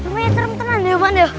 rumahnya serem tenang ya